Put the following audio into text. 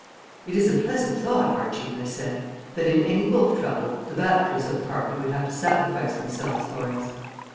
"It is a pleasant thought, Archie," I said, "that in any wolf trouble the bachelors of the party would have to sacrifice themselves for us.